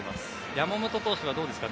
山本投手はどうですか？